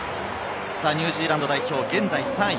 ニュージーランド代表、現在３位。